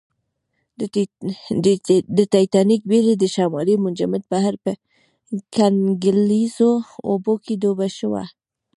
د ټیټانیک بېړۍ د شمالي منجمند بحر په کنګلیزو اوبو کې ډوبه شوه